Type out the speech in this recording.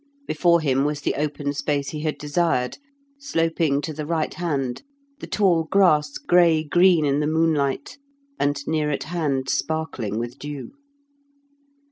Before him was the open space he had desired, sloping to the right hand, the tall grass grey green in the moonlight, and near at hand sparkling with dew.